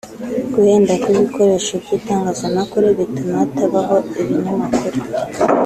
Guhenda kw’ibikoresho by’Itangazamakuru bituma hatabaho ibinyamakuru